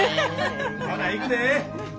ほないくで！